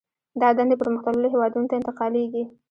دا دندې پرمختللو هېوادونو ته انتقالېږي